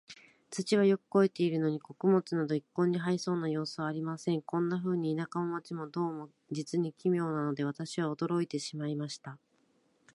土はよく肥えているのに、穀物など一向に生えそうな様子はありません。こんなふうに、田舎も街も、どうも実に奇妙なので、私は驚いてしまいました。